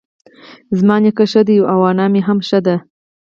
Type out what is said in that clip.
زما نيکه ښه دی اؤ انا مي هم ښۀ دۀ